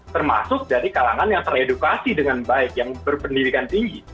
termasuk dari kalangan yang teredukasi dengan baik yang berpendidikan tinggi